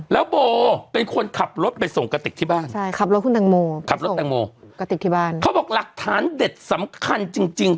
แล้วโบเป็นคนขับรถไปส่งกะติกที่บ้านเขาบอกหลักฐานเด็ดสำคัญจริง